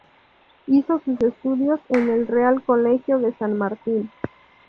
Hizo sus estudios en el Real Colegio de San Martín.